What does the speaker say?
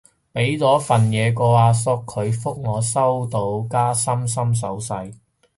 畀咗份嘢個阿叔，佢覆我收到加心心手勢